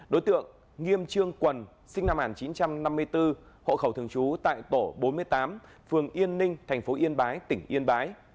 đối tượng nghiêm trương quần sinh năm một nghìn chín trăm năm mươi bốn hộ khẩu thường trú tại tổ bốn mươi tám phường yên ninh thành phố yên bái tỉnh yên bái